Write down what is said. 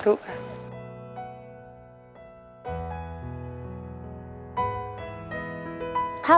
หนึ่งหมาย